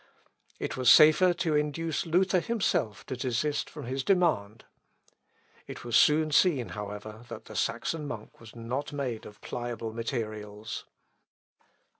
It was safer to induce Luther himself to desist from his demand. It was soon seen, however, that the Saxon monk was not made of pliable materials.